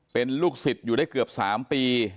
เป็นลูกศิษย์อยู่ได้เกือบ๓ปี